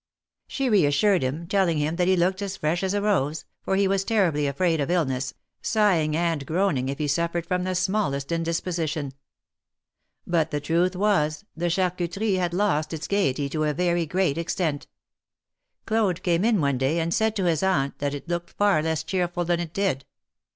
She reassured him, telling him that he looked as fresh as a rose, for he was terribly afraid of illness, sighing and groaning if he suffered from the smallest indisposition. But the truth was, the Charcuterie had lost its gayety to a very great extent. Claude came in one day, and said to his aunt that it looked far less cheerful than it did.